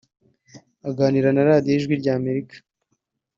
Aganira na Radio ijwi rya Amerika